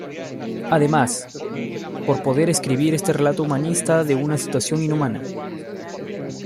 Además, por poder escribir este relato humanista de un situación inhumana.